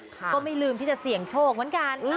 ก็ไม่ลืมที่จะเสี่ยงโชคเหมือนกัน